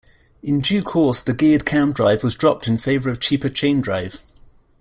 In due course the geared cam drive was dropped in favour of cheaper chain-drive.